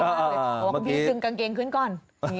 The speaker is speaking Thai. ห่วงผมพี่จึงกางเกงขึ้นก่อน